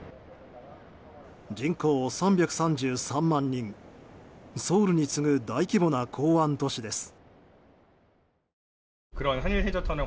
人口３３３万人、ソウルに次ぐ大規模な港湾都市です。